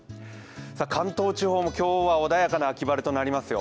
関東地方も今日は穏やかな秋晴れとなりますよ。